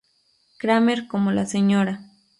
Cramer como la Sra.